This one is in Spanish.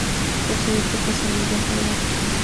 Posee pocas semillas aladas.